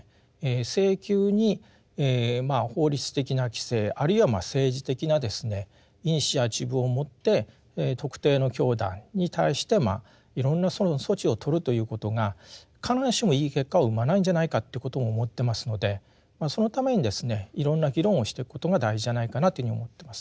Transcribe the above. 性急に法律的な規制あるいは政治的なイニシアチブをもって特定の教団に対していろんな措置を取るということが必ずしもいい結果を生まないんじゃないかということも思ってますのでそのためにですねいろんな議論をしてくことが大事じゃないかなというふうに思ってます。